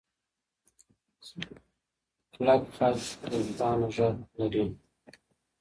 کلک خج روښانه غږ لري.